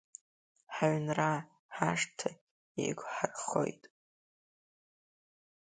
Ҳаҩнра, ҳашҭа, еиқәҳархоит.